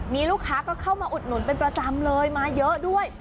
มีลูกค้าก็เข้ามาอุดหนุนเป็นประจำเลยมาเยอะด้วย